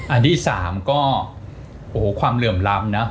อันที่๓ก็โอ้โหความเหลื่อมล้ำนะ